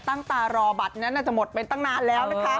ตั้งตารอบัตรน่าจะหมดไปตั้งนานแล้ว